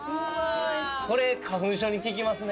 これ花粉症に効きますね。